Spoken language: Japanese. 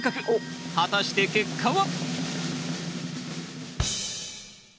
果たして結果は？